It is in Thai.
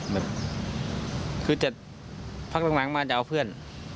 แบบคือจะพักหลังมาจะเอาเพื่อน